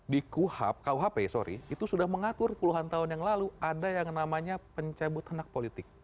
di kuhap kuhp sorry itu sudah mengatur puluhan tahun yang lalu ada yang namanya pencabut anak politik